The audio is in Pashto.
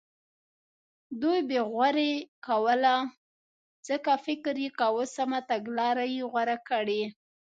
دوی بې غوري کوله ځکه فکر یې کاوه سمه تګلاره یې غوره کړې.